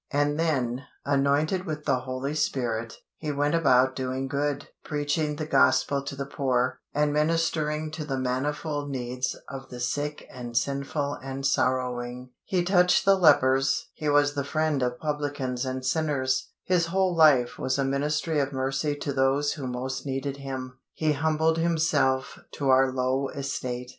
And then, anointed with the Holy Spirit, He went about doing good, preaching the Gospel to the poor, and ministering to the manifold needs of the sick and sinful and sorrowing. He touched the lepers; He was the Friend of publicans and sinners. His whole life was a ministry of mercy to those who most needed Him. He humbled Himself to our low estate.